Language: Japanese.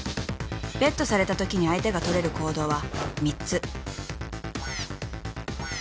［ベットされたときに相手が取れる行動は３つ］